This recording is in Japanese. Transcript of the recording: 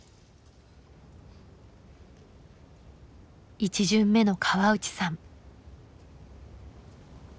１巡目の河内さん。